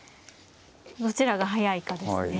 どちらが早いかですね。